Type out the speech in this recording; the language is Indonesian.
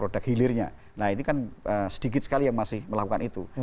nah ini kan sedikit sekali yang masih melakukan itu